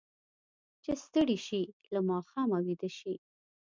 چې ستړي شي، له ماښامه ویده شي.